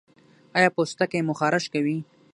ایا پوستکی مو خارښ کوي؟